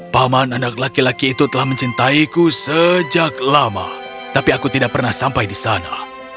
paman anak laki laki itu telah mencintaiku sejak lama tapi aku tidak pernah sampai di sana